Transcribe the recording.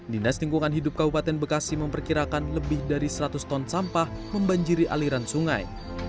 dinas lingkungan hidup kabupaten bekasi memperkirakan lebih dari seratus ton sampah membanjiri aliran sungai